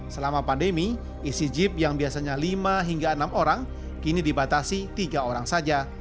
selama pandemi isi jeep yang biasanya lima hingga enam orang kini dibatasi tiga orang saja